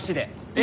え？